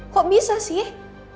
kok bisa sih